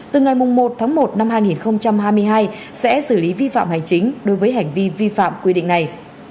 từ ngày một tháng một năm hai nghìn hai mươi hai sẽ xử lý vi phạm hành chính đối với hành vi vi phạm quy định này